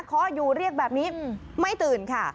ข้ออยู่เรียกแบบนี้ไม่ตื่นค่ะ